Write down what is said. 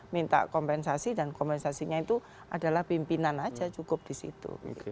minta kompensasi dan kompensasinya itu adalah pimpinan saja cukup di situ